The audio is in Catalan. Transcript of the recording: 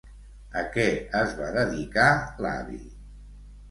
A què es va dedicar l'avi?